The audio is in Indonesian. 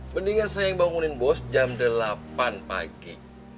mendingan saya yang bangunin bos jam delapan pagi